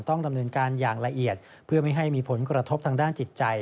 ต้องดำเนินการอย่างละเอียดเพื่อไม่ให้มีผลกระทบทางด้านจิตใจ